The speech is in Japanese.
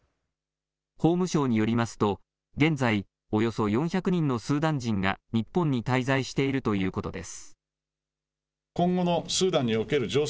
法務省によりますと現在およそ４００人のスーダン人が日本に滞在しているということです。